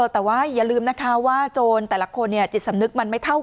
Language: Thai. แต่ว่าอย่าลืมนะคะว่าโจรแต่ละคนจิตสำนึกมันไม่เท่า